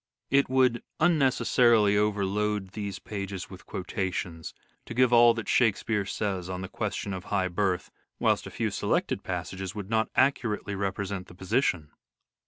It would unnecessarily overload these pages with quotations to give all that Shakespeare says on the question of high birth, whilst a few selected passages would not accurately represent the position.